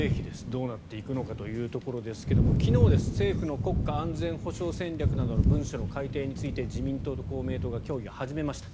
どうなっていくのかというところですが昨日政府の国家安全保障戦略などの文書の改定について自民党と公明党が協議を始めました。